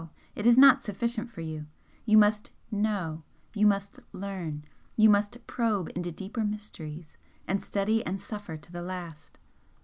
it is not sufficient for you! you must 'know' you must learn you must probe into deeper mysteries, and study and suffer to the last!